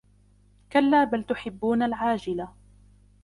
كَلَّا بَلْ تُحِبُّونَ الْعَاجِلَةَ